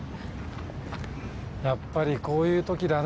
やっぱりこういう時だね